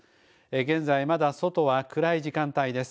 現在まだ外は暗い時間帯です。